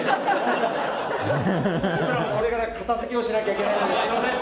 僕らもこれから片づけをしなきゃならないので、すみません。